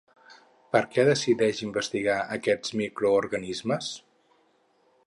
Per què decideix investigar aquests microorganismes?